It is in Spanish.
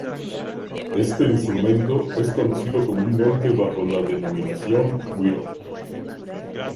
Este instrumento es conocido comúnmente bajo la denominación güiro.